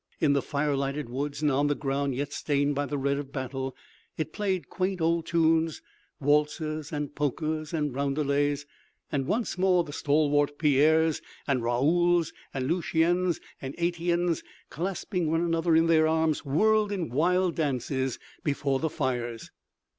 In the fire lighted woods and on the ground yet stained by the red of battle, it played quaint old tunes, waltzes and polkas and roundelays, and once more the stalwart Pierres and Raouls and Luciens and Etiennes, clasping one another in their arms, whirled in wild dances before the fires.